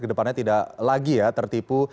kedepannya tidak lagi ya tertipu